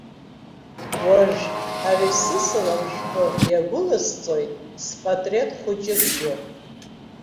Уажә ари сысалам шәҟәы иагәыласҵоит спатреҭ хәыҷыкгьы.